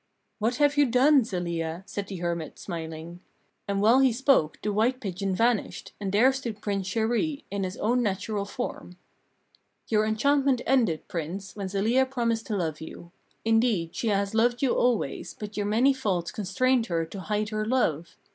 "What have you done, Zelia?" said the hermit, smiling. And while he spoke the white pigeon vanished, and there stood Prince Chéri in his own natural form. "Your enchantment ended, Prince, when Zelia promised to love you. Indeed, she has loved you always, but your many faults constrained her to hide her love.